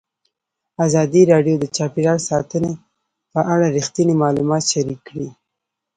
ازادي راډیو د چاپیریال ساتنه په اړه رښتیني معلومات شریک کړي.